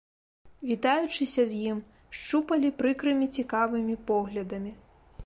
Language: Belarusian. Вітаючыся з ім, шчупалі прыкрымі цікавымі поглядамі.